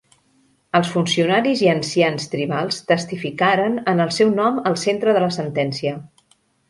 Els funcionaris i ancians tribals testificaren en el seu nom al centre de la sentència.